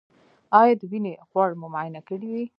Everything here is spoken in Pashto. ایا د وینې غوړ مو معاینه کړي دي؟